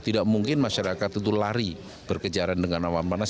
tidak mungkin masyarakat itu lari berkejaran dengan awan panas